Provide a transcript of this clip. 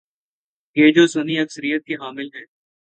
گے جو سنی اکثریت کے حامل ہیں؟